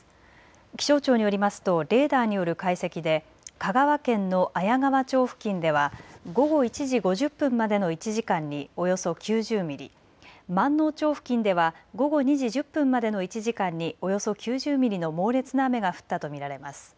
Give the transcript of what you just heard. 気象庁によりますとレーダーによる解析で香川県の綾川町付近では午後１時５０分までの１時間におよそ９０ミリ、まんのう町付近では午後２時１０分までの１時間におよそ９０ミリの猛烈な雨が降ったと見られます。